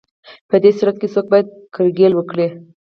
په دې صورت کې څوک باید کرکیله وکړي